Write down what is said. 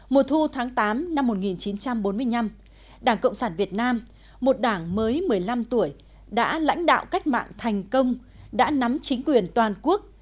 mùa thu tháng tám năm một nghìn chín trăm bốn mươi năm đảng cộng sản việt nam một đảng mới một mươi năm tuổi đã lãnh đạo cách mạng thành công đã nắm chính quyền toàn quốc